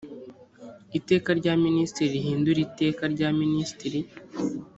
iteka rya minisitiri rihindura iteka rya minisitiri